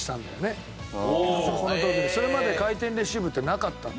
それまで回転レシーブってなかったんだよね。